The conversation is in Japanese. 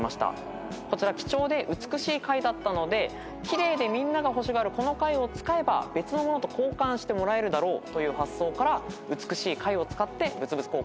こちら貴重で美しい貝だったので奇麗でみんなが欲しがるこの貝を使えば別のものと交換してもらえるだろうという発想から美しい貝を使って物々交換をしていたんだそうです。